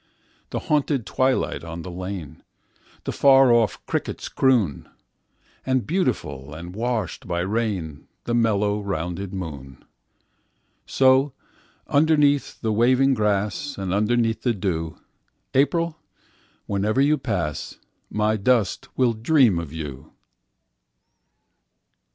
The haunted twilight on the lane; The far off cricket's croon; And beautiful and washed by rain, The mellow rounded moon! So, underneath the waving grass, And underneath the dew, April, whenever you will pass, My dust will dream of you!